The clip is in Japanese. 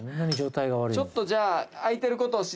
ちょっとじゃあ。